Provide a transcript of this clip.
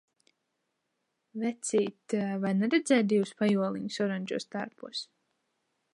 Vecīt, vai neredzēji divus pajoliņus oranžos tērpos?